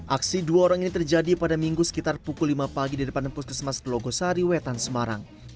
aksi dua orang ini terjadi pada minggu sekitar pukul lima pagi di depan puskesmas telogosari wetan semarang